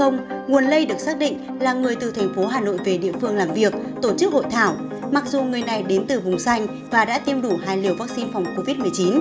nguồn lây được xác định là người từ thành phố hà nội về địa phương làm việc tổ chức hội thảo mặc dù người này đến từ vùng xanh và đã tiêm đủ hai liều vaccine phòng covid một mươi chín